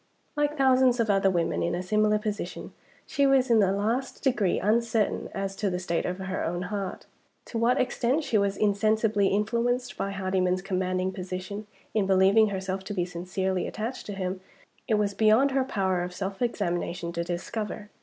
Like thousands of other women in a similar position, she was in the last degree uncertain as to the state of her own heart. To what extent she was insensibly influenced by Hardyman's commanding position in believing herself to be sincerely attached to him, it was beyond her power of self examination to discover.